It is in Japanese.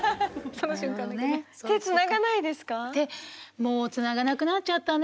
もうつながなくなっちゃったね。